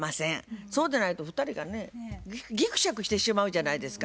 そうでないと２人がねぎくしゃくしてしまうじゃないですか。